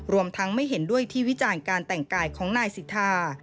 ทั้งไม่เห็นด้วยที่วิจารณ์การแต่งกายของนายสิทธา